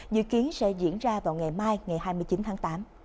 dự kiến sẽ diễn ra vào ngày mai ngày hai mươi chín tháng tám